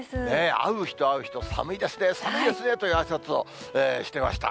会う人会う人、寒いですね、寒いですねと、あいさつをしてました。